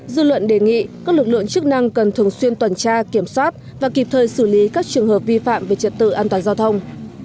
dư luận đề nghị các lực lượng chức năng cần thường xuyên tuần tra kiểm soát và kịp thời xử lý các trường hợp vi phạm về trật tự an toàn giao thông